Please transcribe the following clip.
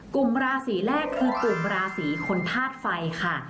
กลุ่มราศีแรกคือกลุ่มราศีคนธาตุไฟค่ะ